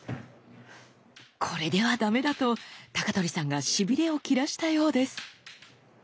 これではダメだと鳥さんがしびれを切らしたようです。